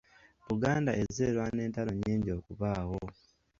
Buganda ezze erwana entalo nnyingi okubaawo.